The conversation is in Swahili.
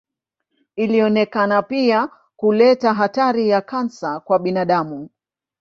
Ilionekana pia kuleta hatari ya kansa kwa binadamu.